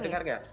bisa dengar gak